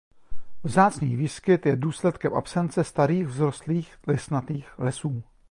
Vzácný výskyt je důsledkem absence starých vzrostlých listnatých lesů.